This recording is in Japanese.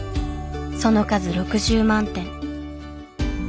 その数６０万点。